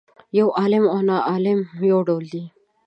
یو عالم او ناعالم یو ډول دي.